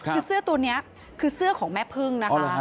คือเสื้อตัวนี้คือเสื้อของแม่พึ่งนะคะ